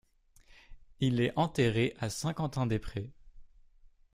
Il est enterré à Saint-Quentin-des-Prés.